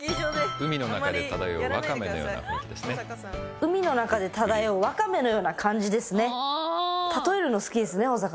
「海の中で漂うワカメのような感じですね」。